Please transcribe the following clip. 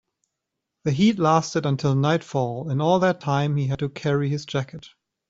The heat lasted until nightfall, and all that time he had to carry his jacket.